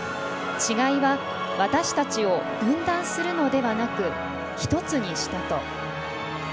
「違いは私たちを分断するのではなく一つにした」と。